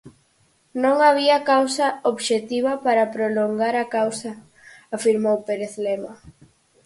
Non había causa obxectiva para prolongar a causa, afirmou Pérez Lema.